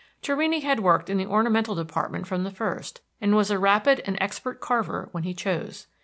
Torrini had worked in the ornamental department from the first, and was a rapid and expert carver when he chose.